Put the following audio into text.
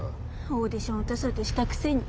オーデション落とそうとしたくせに。